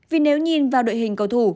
vì nếu nhìn vào đội hình cầu thủ